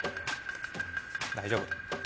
大丈夫。